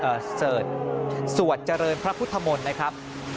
เสิร์ชสวดเจริญพระพุทธมนตร์นะครับ